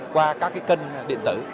qua các cái kênh điện tử